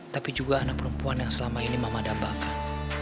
tapi juga anak perempuan yang selama ini mama dambakan